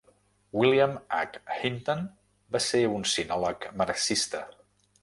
William H. Hinton va ser un sinòleg marxista.